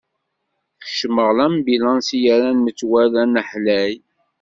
Kecmeɣ lambilanṣ i yerran metwal anaḥlay.